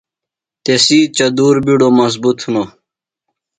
تسی چدُور بِیڈوۡ مظبُط ہِنوۡ۔